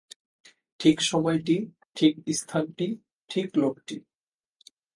ঠিক সময়টি, ঠিক স্থানটি, ঠিক লোকটি।